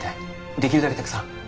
できるだけたくさん。